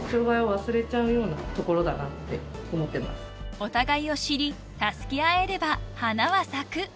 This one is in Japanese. ［お互いを知り助け合えれば花は咲く！］